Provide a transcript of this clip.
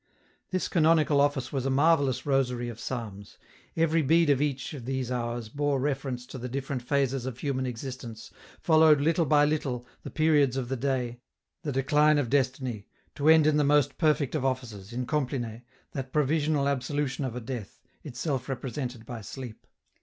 This canonical Office was a marvellous rosary of psalms ; every bead of each of these hours bore reference to the different phases of human existence, followed, little by little, the periods of the day, the decline of destiny, to end in the most perfect of offices, in Compline, that provisional absolu tion of a death, itself represented by sleep.